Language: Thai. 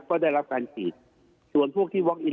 ก็ได้รับการฉีด